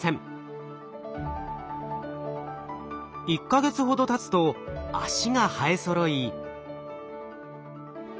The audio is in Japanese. １か月ほどたつと足が生えそろい。